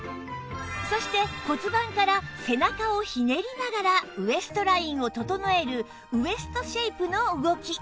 そして骨盤から背中をひねりながらウエストラインを整えるウエストシェイプの動き